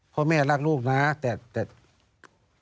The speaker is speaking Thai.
เพราะแม่อยากลักลูกนะแต่